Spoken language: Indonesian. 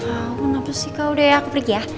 tau kenapa sih kak udah ya aku pergi ya